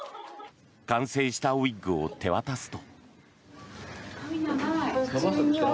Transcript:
完成したウィッグを手渡すと。